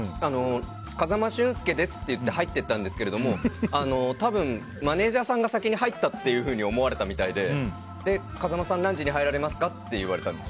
風間俊介ですって言って入っていったんですがマネジャーが先に入ったと思われたみたいで風間さん何時に入られますかって言われたんです。